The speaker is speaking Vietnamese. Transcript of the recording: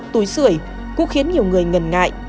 túi sửa cũng khiến nhiều người ngần ngại